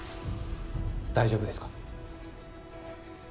大丈夫ですか？